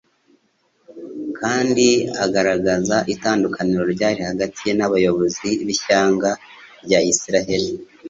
kandi agaragaza itandukaniro ryari hagati ye n'abayobozi b'ishyanga rya Isiraeli.